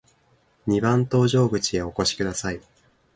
二番搭乗口へお越しください。